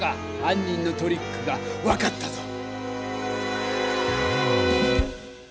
はん人のトリックが分かったぞ！